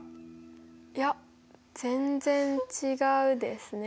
いや全然違うですね。